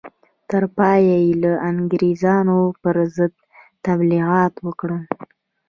تر پایه یې د انګرېزانو پر ضد تبلیغات وکړل.